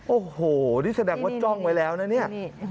โอ้โหนี่แสดงว่าจ้องไว้แล้วนะเนี่ย